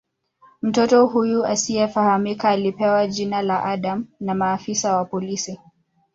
Mtoto huyu asiyefahamika alipewa jina la "Adam" na maafisa wa polisi.